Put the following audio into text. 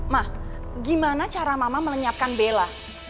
ma gimana cara mama melenyapkan bella